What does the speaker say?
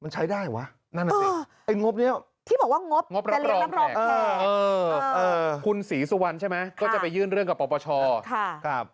จริงครัว